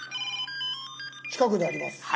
「近くにあります」。